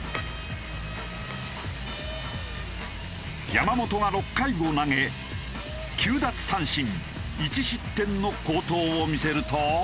山本が６回を投げ９奪三振１失点の好投を見せると。